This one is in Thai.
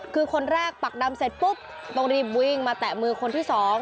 คือคนแรกปักดำเสร็จปุ๊บต้องรีบวิ่งมาแตะมือคนที่๒